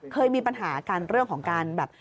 เคยมีปัญหากันเรื่องของการแบบ